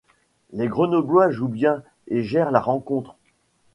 Les grenoblois jouent bien et gèrent la rencontre.